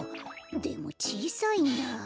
でもちいさいなあ。